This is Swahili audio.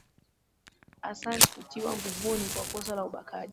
asanch kutiwa nguvuni kwa kosa la ubakaji